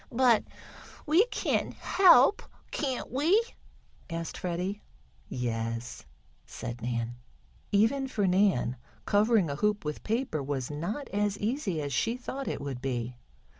"But we can help, can't we?" asked Freddie. "Yes," said Nan. Even for Nan covering a hoop with paper was not as easy as she thought it would be.